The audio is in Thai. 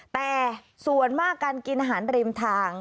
แต่ส่วนมากการกินอาหารริมทาง